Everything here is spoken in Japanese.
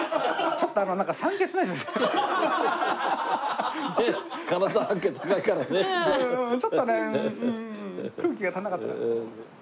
ちょっとね空気が足らなかった。